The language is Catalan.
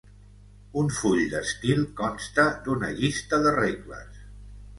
Un full d'estil consta d'una llista de regles.